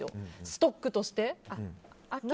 ストックとして。